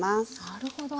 なるほど。